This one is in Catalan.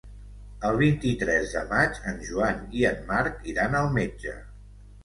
El vint-i-tres de maig en Joan i en Marc iran al metge.